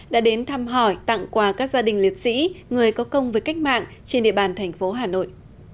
đã đến thăm hỏi tặng quà các gia đình liệt sĩ người có công với cách mạng trên địa bàn thành phố hà nội